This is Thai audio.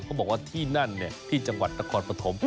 เขาบอกว่าที่นั่นเนี่ยที่จังหวัดตะครปฐม